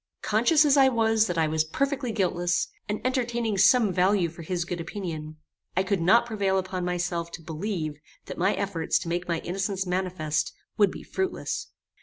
Conscious as I was that I was perfectly guiltless, and entertaining some value for his good opinion, I could not prevail upon myself to believe that my efforts to make my innocence manifest, would be fruitless.